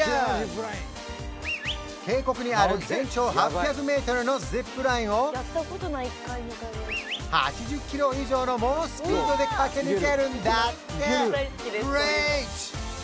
渓谷にある全長８００メートルのジップラインを８０キロ以上の猛スピードで駆け抜けるんだってグレート！